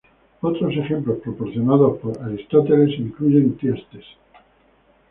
Otros ejemplos proporcionados por Aristóteles incluyen Tiestes.